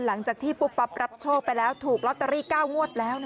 หลังจากที่ปุ๊บปั๊บรับโชคไปแล้วถูกลอตเตอรี่๙งวดแล้ว